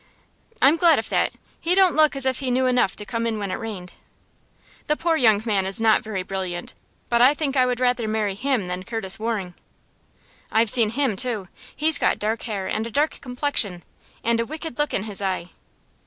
"I'm glad of that. He don't look as if he knew enough to come in when it rained." "The poor young man is not very brilliant, but I think I would rather marry him than Curtis Waring." "I've seen him, too. He's got dark hair and a dark complexion, and a wicked look in his eye."